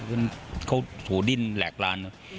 เขาหูดิ้นแหลกราน